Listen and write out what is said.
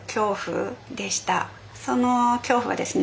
その恐怖はですね